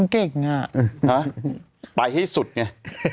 มันคิดภาษาการ์ดนี่